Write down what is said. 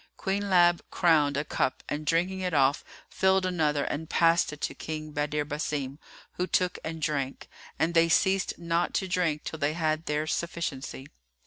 Queen Lab crowned a cup and drinking it off, filled another and passed it to King Badr Basim, who took it and drank; and they ceased not to drink till they had their sufficiency.